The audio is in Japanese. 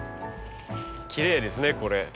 きれいですねこれ。